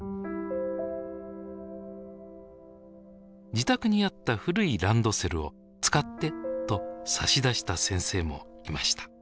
自宅にあった古いランドセルを「使って」と差し出した先生もいました。